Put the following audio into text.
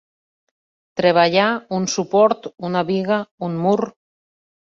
Treballar un suport, una biga, un mur.